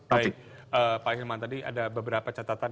baik pak hilman tadi ada beberapa catatan